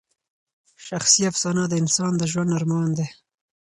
شخصي افسانه د انسان د ژوند ارمان دی.